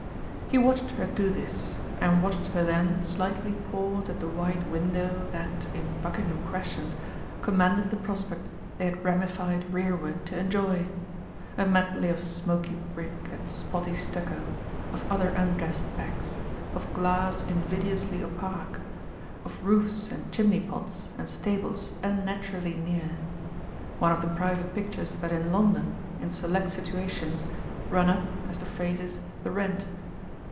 He watched her do this and watched her then slightly pause at the wide window that, in Buckingham Crescent, commanded the prospect they had ramified rearward to enjoy; a medley of smoky brick and spotty stucco, of other undressed backs, of glass invidiously opaque, of roofs and chimney pots and stables unnaturally near one of the private pictures that in London, in select situations, run up, as the phrase is, the rent.